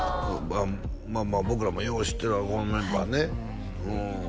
まあまあ僕らもよう知ってるわこのメンバーねうん